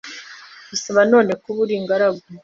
Bisaba nanone Kuba uri ingaragu